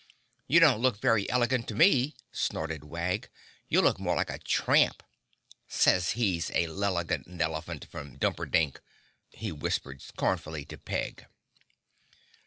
"You don't look very elegant to me," snorted Wag. "You look more like a tramp. Says he's a lelegant nelephant from Dumperpink," he whispered scornfully to Peg.